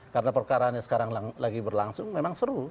karena perkaraannya sekarang lagi berlangsung memang seru